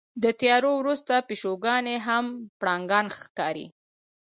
د تیارو وروسته پیشوګانې هم پړانګان ښکاري.